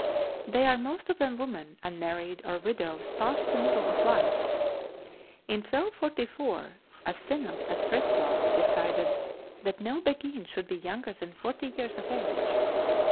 They are most of them women, unmarried, or widows past the middle of life. In 1244 a synod at Fritzlau decided that no Beguine should be younger than 40 years of age.